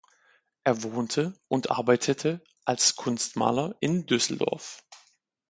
Er wohnte und arbeitete als „Kunstmaler“ in Düsseldorf.